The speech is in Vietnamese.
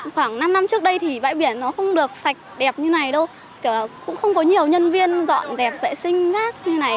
khoảng năm năm trước đây thì bãi biển nó không được sạch đẹp như này đâu kiểu là cũng không có nhiều nhân viên dọn dẹp vệ sinh rác như này